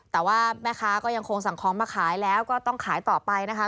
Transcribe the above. แต่ว่าแม่ค้าก็ยังคงสั่งของมาขายแล้วก็ต้องขายต่อไปนะคะ